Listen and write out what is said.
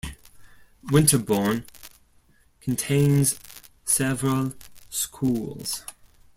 Winterbourne contains several schools.